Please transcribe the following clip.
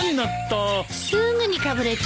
すぐにかぶれちゃうんだから。